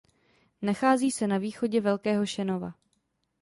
Nachází se na východě Velkého Šenova.